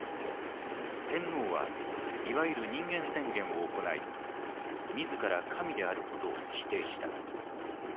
天皇はいわゆる「人間宣言」を行い自ら「神」であることを否定した。